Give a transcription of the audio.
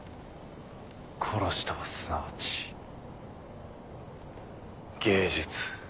殺しとはすなわち芸術。